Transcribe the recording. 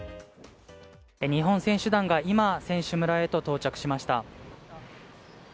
日本選手団が今、選手村へと到着しました。